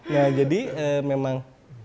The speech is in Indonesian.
nah jadi memang